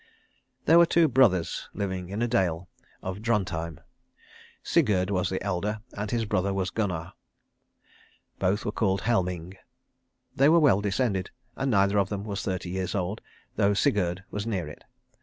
There were two brothers living in a dale of Drontheim Sigurd was the elder, and his brother was Gunnar. Both were called Helming. They were well descended, and neither of them was thirty years old, though Sigurd was near it.